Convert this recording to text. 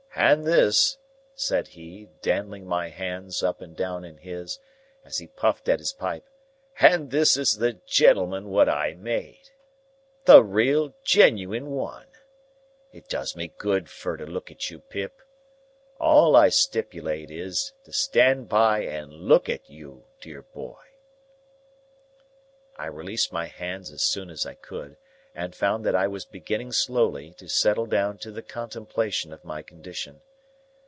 "And this," said he, dandling my hands up and down in his, as he puffed at his pipe,—"and this is the gentleman what I made! The real genuine One! It does me good fur to look at you, Pip. All I stip'late, is, to stand by and look at you, dear boy!" I released my hands as soon as I could, and found that I was beginning slowly to settle down to the contemplation of my condition.